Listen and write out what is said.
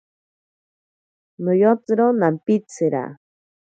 Noyotsiro nampitsira.